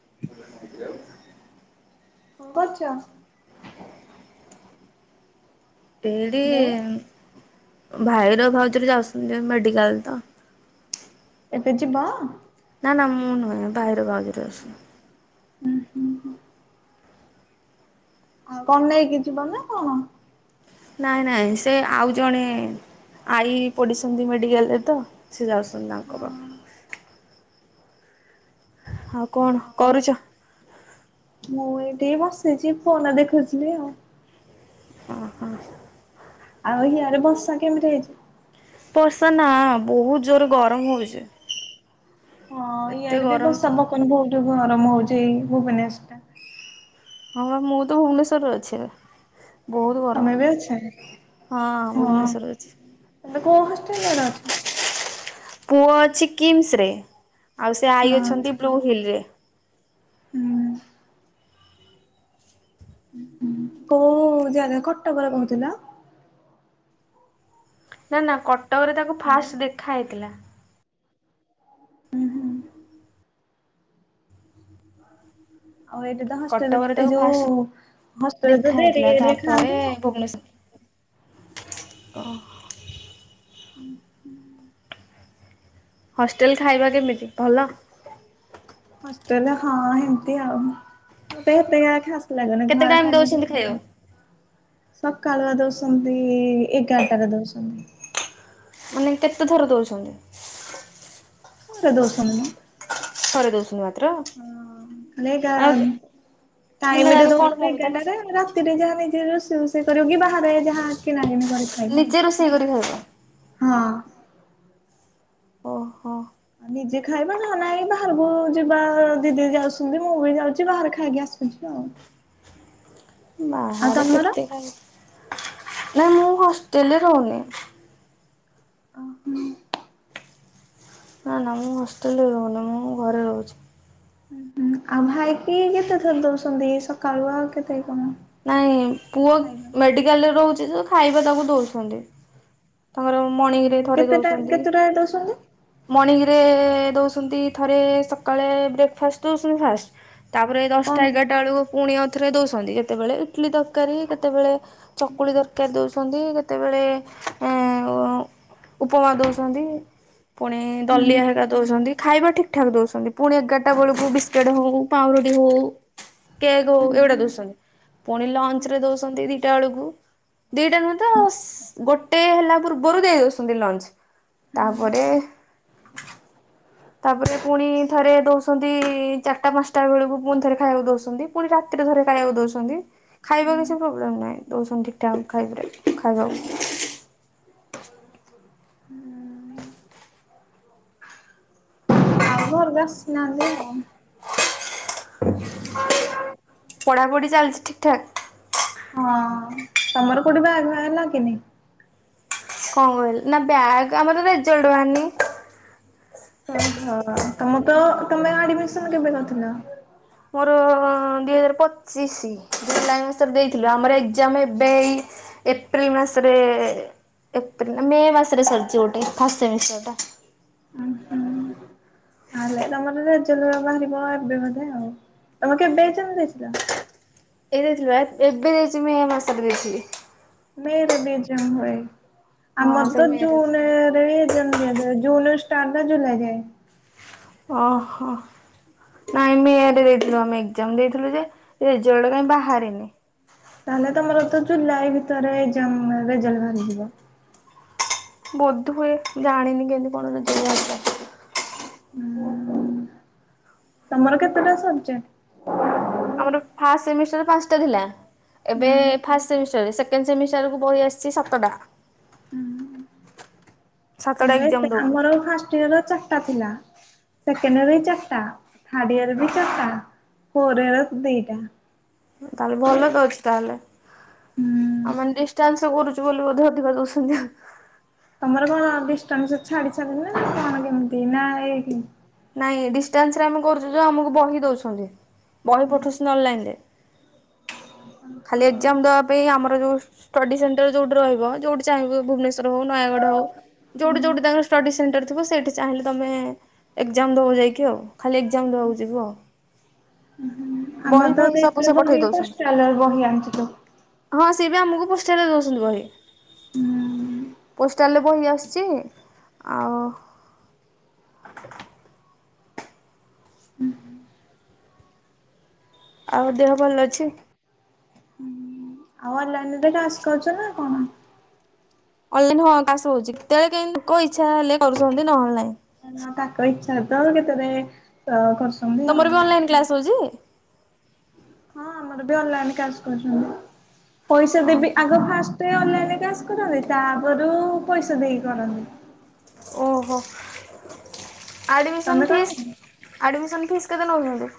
[inaudible] କଣ କରୁଚ? ଏଇଠି ହ୍ୟାଲୋ। ଭାଇର ଭାଉଜର ଯାଉଛନ୍ତି ମେଡିକାଲ ତ ଏବେ ଯିବ? ନା ନା ମୁଁ ନୁହେଁ ଭାଇର ଭାଉଜର ଅଛି। ଉଁ ହୁଁ ଆଉ କଣ ନେଇକି ଯିବ ନା କଣ? ନାଇଁ ନାଇଁ ସେ ଆଉ ଜଣେ ଆଈ ପଢିସନ୍ତି ମେଡିକାଲ ରେ ତ ସେ ଯାଉସନ୍ତି ତାଙ୍କ ପାଖ ଆଉ କଣ ଆଉ କରୁଛ? ମୁଁ ଏଠି ବସିଚି ଫୋନ ଦେଖୁିଚି ଆଉ। ଓ ହୋ। ଆଉ ହିଆଡେ ବର୍ଷା କେମିତି ହେଇଚି? ବର୍ଷା ନା ବହୁତ ଜୋର ରେ ଗରମ ହଉଚି। ହଁ ଇୟାରେ ବି ଗରମ ବର୍ଷା ପବନ ବହୁତ ଗରମ ହଉଚି ଏଇ ଭୁବନେଶ୍ଵର ରେ। ହଁ ବା ମୁଁ ତ ଭୁବନେଶ୍ୱରରେ ଅଛି ଏବେ। ବହୁତ ଗରମ ତମେ ବି ଅଛ ହଁ ହଁ ଭୁବନେଶ୍ୱରରେ ଅଛି। ତମେ କୋଉ ହଷ୍ଟେଲ ର ଅଛ? ପୁଅ ଅଛି କିମ୍ସ ରେ ଆଉ ସେ ଆଈ ହଁ ଅଛନ୍ତି ବ୍ଲୁ ହିଲ ରେ। ହୁଁ। କୋଉ ଯାଗା କଟକରେ କହୁଥିଲ? ନା ନା କଟକରେ ତାକୁ ହ୍ୟାଲୋ ଫାଷ୍ଟ ଦେଖାହେଇଥିଲା। ଉୁଁ ହୁଁ। ଆଉ ଏଇଠି ତ କଟକରେ ହଷ୍ଟେଲରେ ଏଇ ତାକୁ ଯୋଉ ଫାଷ୍ଟ ହଷ୍ଟେଲରେ ଦେଖା ତ ହେଇଥିଲା ଦେରିରି ତାପରେ ଖାଆନ୍ତି ଆଉ। ଭୁବନେଶ୍ୱର। ହୁଁ ହୁଁ। ହଷ୍ଟେଲ ଖାଇବା କେମିତି ଭଲ? ହଷ୍ଟେଲ ହଁ ହେମିତି ଆଉ ଏତେ କ କେତେ ଟାଇମ ଦଉଛନ୍ତି [unintelligible] ଖାଇବାକୁ [unintelligible] ସକାଳୁଆ ଦଉଛନ୍ତି ଏଗାରଟା ରେ ଦଉସନ୍ତି। ମାନେ କେତେ ଥର ଦଉଛନ୍ତି? ଥରେ ଦଉସନ୍ତି ମ। ଥରେ ଦଉଛନ୍ତି ମାତ୍ର? ମାନେ ଗା ଆଉ ଦିନ ଟାଇମିରେ ଯାକ କଣ ଦଉଛନ୍ତି ଖାଇବ ଏଗାରଟାରେ ତାହେଲେ ରା ରେ ଯାହା ନିଜେ ରୋଷେଇ ରୋଷେଇ କରିବ କି ବାହାରେ ଯାହା କିଣା କିଣି କରି ଖାଇବ ଆଉ ନିଜେ ରୋଷେଇ କରି ଖାଇବ? ହଁ। ଓହୋ ଆଉ ନିଜେ ଖାଇବ ନହେଲେ ନାଇଁ ବାହାରକୁ ଯିବା ଦିଦି ଯାଉଛନ୍ତି ମୁଁ ବି ଯାଉଚି ବାହାରେ ଖାଇକି ଆସ ଆଚ୍ଛା। ବାହାରେ ତମର? କେତେ ଖାଇ ନା ମୁଁ ହଷ୍ଟେଲରେ ରହୁନି। ଓ ହୋ। ନା ନା ମୁଁ ହଷ୍ଟେଲରେ ରହୁନି ମୁଁ ଘରେ ରହୁଛି। ହୁଁ ଆଉ ଭାଇକି କେତେ ଥର ଦଉଛନ୍ତି ସକାଳୁ ଆଉ କେତେ କଣ? ନାଇଁ ପୁଅ ଖାଇବା? ମେଡିକାଲରେ ରହୁଛି ଖାଇବା ତାକୁ ଦଉଛନ୍ତି। ତାଙ୍କର ମର୍ଣିଙ୍ଗ ରେ ହୁଁ ଥରେ କେତେଟା ଦଉଛନ୍ତି। କେତେଟା ଦଉଛନ୍ତି ମର୍ଣ୍ଣିଂରେ ଦେଉଛନ୍ତି ଥରେ ସକାଳେ ବ୍ରେକ୍ଫାଷ୍ଟ ଦେଉଛନ୍ତି ଫାଷ୍ଟ। ତାପରେ କଣ ଦଶଟା ହୁଁ ଏଗାରଟା ବେଳକୁ ପୁଣିଉଥରେ ଦଉସନ୍ତି ଯେତେବେଳେ ଇଟଲି ତରକାରୀ କେତେବେଳେ ଚକୁଳି ଦରକାର ଦଉଛନ୍ତି କେ ତେବେଳେ ଅ ଉପମା ଦଉଛନ୍ତି। ପୁଣି ଦଲିଆ ହୁଁ ହେକା ଦଉଛନ୍ତି ଖାଇବା ଠିକ ଠାକ ଦଉଛନ୍ତି ପୁଣି ଏଗାରଟା ବେଳକୁ ବିସ୍କୁଟ ହଉ ପାଉଁରୁଟି ହଉ। କେକ୍ ହଉ ଏଗୁଡ଼ା ଦଉଛନ୍ତି ପୁଣି ଲଞ୍ଚ ରେ ଦଉଛନ୍ତି ଦିଟା ବେଳକୁ ଦିଟା ନୁହେଁ ତ ଗୋଟେ ହେଲା ପୂର୍ବରୁ ଦେଇ ଦଉଛନ୍ତି ଲଞ୍ଚ। ତାପରେ ହୁଁ ତାପରେ ପୁଣି ଥରେ ଦଉଛନ୍ତି। ଚାରିଟା ପାଞ୍ଚଟା ବେଳକୁ ପୁଣି ଥରେ ଖାଇବାକୁ ଦଉଛନ୍ତି ପୁଣି ରାତିରେ ଥରେ ଖାଇବାକୁ ଦଉଛନ୍ତି। ଖାଇବା କିଛି ପ୍ରୋବ୍ଲେମ୍ ନାହିଁ ଦଔସନ୍ ଠିକ୍ଠାକ୍ ଖାଇବ ଖାଇବାକୁ। ହୁଁ। ଆଉ ଘରକୁ ଆସିନାହାନ୍ତି ଆଉ। ହ ପଢ଼ାଢ଼ି ଚାଲିଛି ଠିକଠାକ୍? ହଁ ତମର କୋଉଠି ବାହାଘର ହେଲା କି ନାଇ? କଣ କହିଲି ନା ବ୍ୟାଗ୍ ଆମର ତ ରେଜ୍ଲଟ ବାହାରିନି? ଓହୋ ତମ ତ ତମେ ଆଡମିସନ କେବେ ଥିଲ? ମୋର ଦିଇ ହଜାର ପଚିଶି ଜୁଲାଇ ମାସରେ ଦେଇଥିଲୁ ଆମର ଏକ୍ଜାମ ଏବେଇ ଏପ୍ରିଲ ମାସରେ ଏପ୍ରିଲ ମେ ମାସରେ ସରିଛି ଗୋଟେ ଫାଷ୍ଟ ସେମେଷ୍ଟରଟା। ତାହେଲେ ତମର ରାଜଲ ବାହାରିବ ଏବେ ବଧେ ଆଉ ତମେ କେବେ ଏକ୍ଜାମ ଦେଇଥିଲା? ଏଇ ଦେଇଥିଲୁ ଏବେ ଦେଇଛି ମୁଁ ଏ ମାସାରେ ଦେଇିଥିଲି। ମେ ରେ ବିଜାମ ହଏ ହଁ ଆମର ସେଇ ତ ମେ ରେ ଜୁନରେ ଜନ୍ତି ଜୁନ ସ୍ଷ୍ଟାର୍ଟ ନା ଜୁଲାଇ ଯାଇ। ଅ ହଁ। ନାଇଁ ମେ ରେ ଦେଇଥିଲୁ ଆମେ ଏଗ୍ଜାମ ଦେଇଥିଲୁ ଯେ ରେଜଲ୍ଟ କାଇଁ ବାହାରିନି। ତାହେଲେ ତମର ତ ଜୁଲାଇ ଭିତରେ ଏଗ୍ଜାମ ରେଲ୍ଟ ବାହାରିଯିବ। ବୋଧୁଏ ଜାଣିନି କେମିତି କଣ ରେଜଲ୍ଟ ବାହାରିବ। ହୁଁ, ତମର କେତେଟା ସବଜେକ୍ଟ? ଆମର ଫାଷ୍ଟ ସେମିଷ୍ଟର ପାଞ୍ଚଟା ଥିଲା ଏବେ ହୁଁ ଫାଷ୍ ସେ ସେକେଣ୍ଡ ସେମିଷ୍ଟାର କୁ ବହି ଆସିଛି ସାତଟା। ହୁଁ। ସାତଟା ତମ ଏକ୍ଜାମ ଏତେ, ଦବୁ ଆମର ଫାଷ୍ଟ ଇୟର ଚାରଟା ଥିଲା। ସେକେଣ୍ଡ ଇୟର ବି ଚାରଟା ଥାର୍ଡ଼ ଇୟର ବି ଚାରଟା ଫୋର୍ ଇୟର ଦିଟା। ତାହେଲେ ଭଲ ତ ଅଛି ତାହେଲେ ହୁଁ ଆଉ ମାନ ଡିସ ତ କରୁଛୁ ବୋଲି ଅଧିକା ଦଉଛନ୍ତି ଆଉ। ତମର କଣ ଡିଷ୍ଟାନ୍ସ ଛାଡିଛନ୍ତି ନା କଣ କେମିତି ନା ଏଇଠି? ନାଇଁ ଡିଷ୍ଟାନ୍ସ ରେ ଆମେ କରୁଛୁ ଯଉ ଆମକୁ ବହି ଦଉଛନ୍ତି। ବହି ପଠଉଛନ୍ତି ଅନଲାଇନରେ? ଖାଲି ଏଗ୍ଜାମ ଦେବା ପାଇଁ ଆମର ଯୋଉ ଷ୍ଟଡି ସେଣ୍ଟର ଯୋଉଠି ରହିବ ଯୋଉଠି ଚାହିଁବ ଭୁବନେଶ୍ୱର ହଉ ନୟାଗଡ଼ ହଉ ଯୋଉଠି ଯୋଉଠି ତାଙ୍କର ଷ୍ଟଡି ସେଣ୍ଟର ଥିବ ସେଇଠି ଚାହିଁଲେ ତମେ ଏଗ୍ଜାମ ଦବୁ ଯାଇକି ଆଉ, ଖାଲି ଏଗ୍ଜାମ ଦେବାକୁ ଯିବୁ ଆଉ। ହଁ, ଆମର ବହି ତ ଫହି ସବୁ ଦେଇଥିଲେ ସେ ପଠେଇ ବହି ଦଉଛନ୍ତି। ପୋଷ୍ଟାଲରେ ବହି ଆଣିଛି ତ। ହଁ ସିଏ ବି ଆମକୁ ପୋଷ୍ଟାଲରେ ଦଉଛନ୍ତି ବହି। ହୁଁ ପୋଷ୍ଟାଲରେ ବହି ଆସୁଛି ଆଉ ହୁ ହୁ। ଆଉ ଦେହ ଭଲ ଅଛି? ହୁଁ ଆଉ ଅନଲାଇନ ରେ କ୍ଲାସ କରୁଛ ନା କଣ? ଅନଲାଇନ ହଁ କାଶ ହଉଛି କେତେବେଳେ କେ ତାଙ୍କ ଇଚ୍ଛା ହେଲେ କରୁଛନ୍ତି ନହେଲେ ନାଇଁ। ତାଙ୍କ ଇଚ୍ଛାରେ ତ କେତେରେ କର ତମର ବି ଅନଲାଇନ୍ କ୍ଲାସ ହଉଛି? ହଁ ଆମର ବି ଅନଲାଇନ କାସ୍ କରୁଛନ୍ତି, ପଇସା ଦେବି ଆଗ ଫାଷ୍ଟ ଅନଲାଇନରେ କାସ୍ କରନ୍ତି ତାପରୁ ପଇସା ଦେଇକି କରନ୍ତି। ଓହୋ ଆଡମିଶନ୍ ତମେ ଫିସ୍ କରନି ଆଡମିସନ ଫିସ୍ କେତେ ନଉଛନ୍ତି?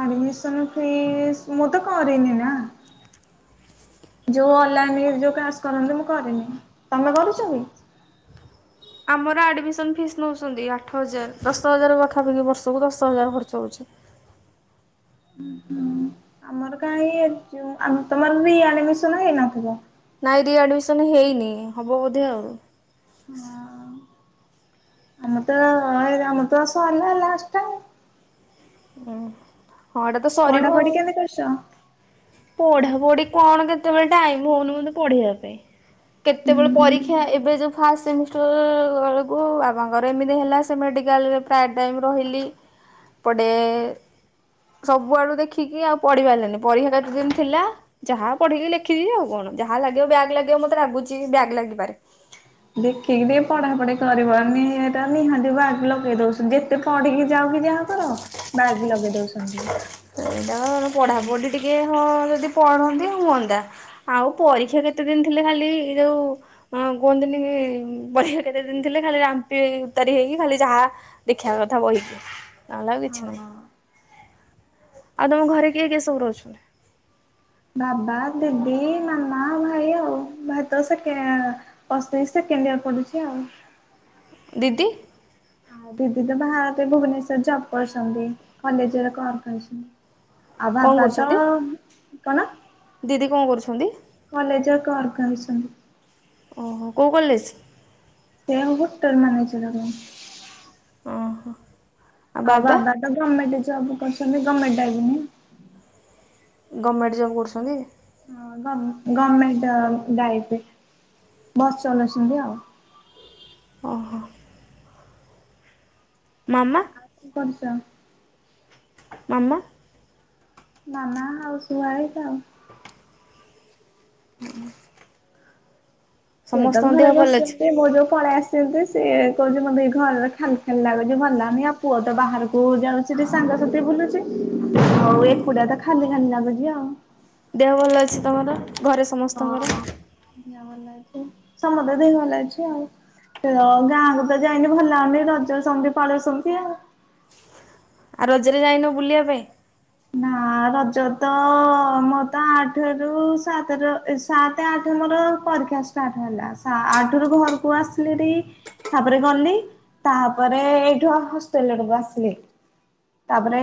ଆଡମିଶନ୍ ଫିସ୍ ମୁଁ ତ କଇନି ନା। ଯଉ ଅଲନାମିର ଯଉ କାସ୍ କରନ୍ତି ମୁଁ କରିନି, ତମେ କରୁଛ କି? ଆମର ଆଡମିସନ ଫିସ୍ ନଉଛନ୍ତି ଆଠ ହଜାର ଦଶ ହଜାର ପାଖାପାଖି ବର୍ଷକୁ ଦଶ ହଜାର ଖର୍ଚ୍ଚ ହଉଛି। ହୁଁ ହୁଁ ଆମର କାଁଇ ଏ ଯଉ ତମର ରିଆଡିମିସନ୍ ହେଇନଥିବ। ନାଇଁ ରିଆଡିମିସନ ହେଇନି ହବ ବୋଧେ ଆଉ। ହଁ ଆମତ ଆମତ ସରିଲା ଲାଷ୍ଟାଇ ହଁ। ଏଇଟା ତ ସରିବ ପଢା ଆଉ। ପଢି କେମତି କରୁଛ? ପଢା ପଢି କଣ କେତେବେଳେ ଟାଇମ ହଉନି ମତେ ପଢିବା ପାଇଁ। କେତେବେଳେ ପରୀକ୍ଷା ଏବେ ଯଉ ଫାଷ୍ଟ ସେମିଷ୍ଟର ବେଳକୁ ବାବାଙ୍କର ଏମିତି ହେଲା ସେ ମେଡିକାଲରେ ପ୍ରାଏ ଟାଇମ୍ ରହିଲି ଏପଟେ ସବୁଆଡୁ ଦେଖିକି ଆଉ ପଢି ପାରିଲିନି ପରିକ୍ଷା କେତେ ଦିନ ଥିଲା ଯାହା ପଢିକି ଲେଖବି ଆଉ କଣ ଯାହା ଲାଗିବ ବ୍ୟାଗ୍ ଲାଗିବ ମତେ ଲାଗୁଛି ବ୍ୟାଗ୍ ଲାଗିପାରେ। ଦେଖିକି ଟିକେ ପଢା ପଢି କରିବ ନି-ନିହାତି ବାଗ ଲଗେଇ ଦଉଛନ୍ତି ଯେତେ ଯେତେ ପଢିକି ଯାଉ କି ଯାହାକର ବ୍ୟାଗ ଲଗେଇ ଦଉଛ ସେଇଟା ପଢାପଢି ଟିକେ ହଁ ଯଦି ପଢନ୍ତି ହୁଅନ୍ତା ଆଉ ପରୀକ୍ଷା କେତେ ଦିନ ଥିଲେ ଖାଲି ଏଇ ଯୋଉ ହଁ କୁହନ୍ତିିନି ପରିବା କେତେ ଦିନ ଥିଲେ ଖାଲି ରାମ୍ପି ଉତାରି ହେଇକି ଖାଲି ଯାହା ଦେଖିବା କଥା ବହିକି ନହେଲେ ଆଉ କିଛି ନାହିଁ। ହଁ। ଆଉ ତମ ଘରେ କିଏ କିଏ ସବୁ ରହୁଛନ୍ତି? ବାବା ଦିଦି ମାମା ଭାଇ ଆଉ ଭାଇ ତ ସେ କେ ଅ ସେକେଣ୍ଡ ଇୟର ପଢୁଛି ଆଉ। ଦିଦି? ଆଉ ଦିଦି ତ ବାହାର ଭୁବନେଶ୍ୱର ଜବ୍ କରୁଛନ୍ତି କଲେଜରେ କଣ କରିଛନ୍ତି? ଆଉ କଣ ଭାତ କରୁଛନ୍ତି? କଣ ଦିଦି କଣ କରୁଛନ୍ତି? କଲେଜ [unintelligible] ଓହୋ କୋଉ କଲେଜ? ସେ ହୋଟେଲ ମ୍ୟାନେଜର। ଓହୋ। ଆଉ ବାବା ତ ଗଭର୍ଣ୍ମେଣ୍ଟ ଜବ କରୁଛନ୍ତି ଗର୍ଣମେଣ୍ଟ [unintelligible] ଗମେଣ୍ଟ ଜବ୍ କରୁଛନ୍ତି? ଗଭର୍ଣମେଣ୍ଟ ଗାଡିରେ ବସ୍ ଚଲାଉଛନ୍ତି ଆଉ। ଓହୋ। ମାମା? [unintelligible] ମାମା? ମାମା ହାଉସ ୱାଇଫ ଆଉ। ହୁଁ ସିଏ ତ ଘରେ ଅଛି? ବସିବ ମୋ ଯୋଉ ପଳେଇ ଆସ ତେବେ ସିଏ କହୁଥିଲେ ମତେ ଘରେ ଖାଲି ଖାଲି ଲାଗୁଛି ଭଲ ଲାଗୁନି ଆଉ ପୁଅ ତ ବାହାର ପୁଅ ଯାଉଛି ସେ ଟିକେ ସାଙ୍ଗସାଥୀ ରେ ବୁଲୁଚି ହଉ ହଁ ଏକୁଟିଆ ତ ଖାଲି ଖାଲିି ଲାଗୁଛି ଆଉ। ଦେହ ଭଲ ଅଛି ତମର? ଘରେ ସମସ୍ତଙ୍କର ହଁ ଭଲ ଅଛି ସମଦ ଦେହ ଭଲ ଅଛି ଆଉ। ତ ଗାଁକୁ ତ ଯାଇନି ଭଲ ହଉନି ରଜ ସେମତି ପାଳସମତି ଆଉ। ଆଉ ରଜରେ ଯାଇନୁ ବୁଲିବା ପାଇଁ? ନା ରଜ ତ ମୋ ତ ଆଠ ରୁ ସାତ ର ସାତ ଆଠ ମୋର ପରୀକ୍ଷା ଷ୍ଟାର୍ଟ ହେଲା ଆଠ ରୁ ଘରକୁ ଆସିଲେରିଟି ତାପରେ ଗଲି ତାପରେ ଏଇଠୁ ହଷ୍ଟେଲ ରୁ ଆସିଲି। ତାପରେ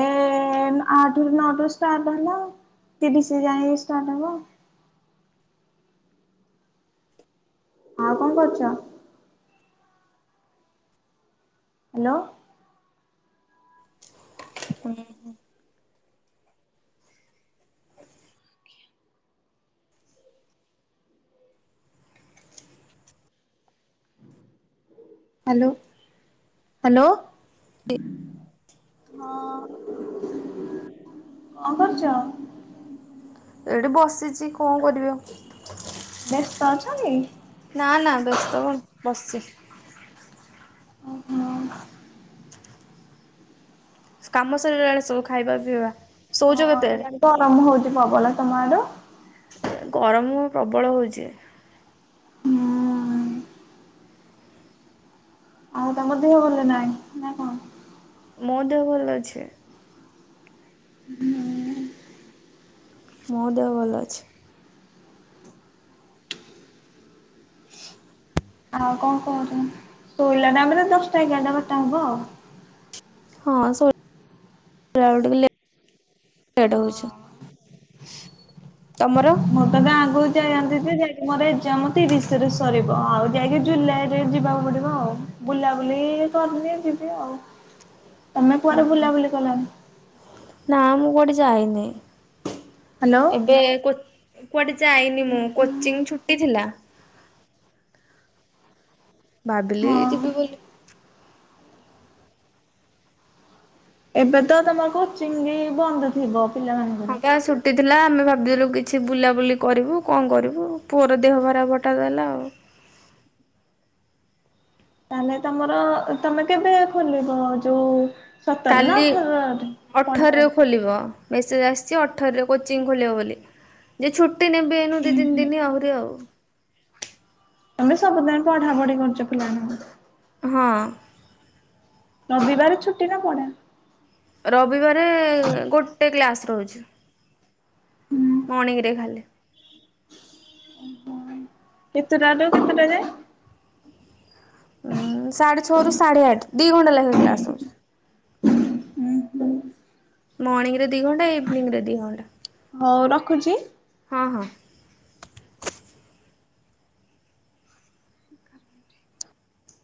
ଆଠ ରୁ ନଅ ରୁ ଷ୍ଟାର୍ଟ ହେଲା ତିରିଶ ଯାଇ ଷ୍ଟାର୍ଟ ହବ। ଆଉ କଣ କରୁଛ? ହାଲୋ। ହୁଁ। ହାଲୋ ହାଲୋ ହଁ କଣ କରୁଚ? ଏଇଠି ବସିଛି କଣ କରିବି ଆଉ। ବ୍ୟସ୍ତ ଅଛ କି? ନା ନା ବ୍ୟସ୍ତ କଣ ବସିଛି। ଓହୋ। କାମ ସରି ଗଲାଣି ସବୁ ଖାଇବା ପିଇବା? ଶୋଉଛ ହଁ କେତେବେଳେ ଇଆଡେ ତ ଆରମ୍ଭ ହଉଛି ପବନ ତମ ଆଡେ? ଗରମ ପ୍ରବଳ ହଉଛି। ହୁଁ। ଆଉ ତମ ଦେହ ଭଲ ନାହିଁ ନା କଣ? ମୋ ଦେହ ଭଲ ଅଛି। ହଁ। ମୋ ଦେହ ଭଲ ଅଛି। ଆଉ କଣ କହୁଛ? ଶୋଇିଲା ଟାଇମିରେ ଦଶଟା ଏଗାରଟା ବାରଟା ହବ ଆଉ। ହଁ ହ [unintelligible] ତମର? ମୁଁ ତ ଗାଁ ଆଗକୁ ଯାଇନ୍ତି ଯେ ଯାଇକି ମୋର ଏଜାମ ତିରିଶରେ ସରିବ ଆଉ ଯାଇକି ଜୁଲାଇ ସେ ଯିବାକୁ ପଡିବ ଆଉ ବୁଲାବୁଲି କରିନି ଯିବି ଆଉ। ହଁ ତମେ କୁଆଡେ ବୁଲାବୁଲି କଲନି? ନା ମୁଁ କୁଆଡେ ଯାଇନି ହ୍ୟାଲୋ ଏବେ କୁଆଡେ ଯାଇନି ମୁଁ କୋଚିଂ ଛୁଟି ଥିଲା। ଭାବିଲି ହଁ ଯିବି ବୋଲି ଏବେ ତ ତମର କୋଚିଂ ବନ୍ଦ ଥିବ? ହଁ ପିଲାମାନଙ୍କର? ବା ସୁ କିଛିନା ଆମେ ଭାବିଥିଲୁ କିଛି ବୁଲାବୁଲି କରିବୁ କଣ କରିବୁ ପୁଅର ଦେହ ଖରାପ ହଟାତ ଦେଲା ଆଉ। ତାହେଲେ ତମର ତମେ କେବେ ଖୋଲିବ ଯୋଉ ସତର ନା କାଲି ଅଠରରେ ପଢା ଅଠରରେ ପଢି ଖୋଲିବ ମେସେଜ୍ ଆସିଛି ଅଠରରେ କୋଚିଂ ଖୋଲିବ ବୋଲି। ଯେ ଛୁଟି ନେବି ଏନୁ ଦି ତିନି ଦିନି ଆହୁରି ଆଉ। ତମେ ସବୁଦିନ ପଢା ପଢି କରୁଛ ପିଲାଙ୍କୁ ହଁ। ରବିବାର ଛୁଟି ନା ପଢ଼ା? ରବିବାରେ ଗୋଟେ କ୍ଲାସ୍ ରହୁଛି। ହୁଁ ମର୍ଣିଂ ରେ ଖାଲି। ଅ ହଁ କେତେଟାଳୁ କେତେଟା ଯାଏ? ଉଁ ସାଢେ ଛଅରୁ ସାଢ଼େ ଆଠ ଦିଇ ଘଣ୍ଟା ଲାଖେ କ୍ଲାସ୍ ହଉଛି। ହୁଁ ହୁଁ ମର୍ଣିଂରେ ଦି ଘଣ୍ଟା ଇଭିନିଂରେ ଦି ଘଣ୍ଟା। ହଉ ରଖୁଛି। ହଁ ହଁ।